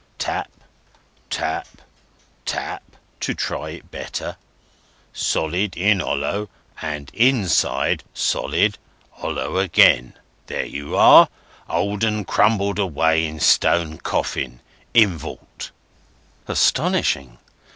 Tap, tap, tap, to try it better. Solid in hollow; and inside solid, hollow again! There you are! Old 'un crumbled away in stone coffin, in vault!" "Astonishing!"